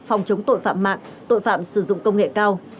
phòng chống tội phạm mạng tội phạm sử dụng công nghệ cao